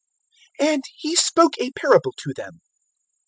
021:029 And He spoke a parable to them.